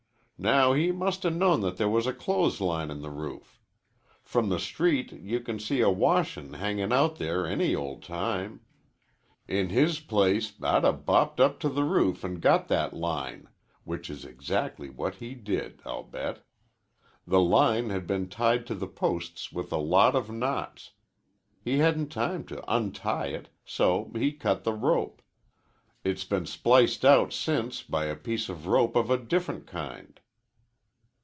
Now he must 'a' known there was a clothes line on the roof. From the street you can see a washin' hangin' out there any old time. In his place I'd 'a' bopped up to the roof an' got that line. Which is exactly what he did, I'll bet. The line had been tied to the posts with a lot of knots. He hadn't time to untie it. So he cut the rope. It's been spliced out since by a piece of rope of a different kind."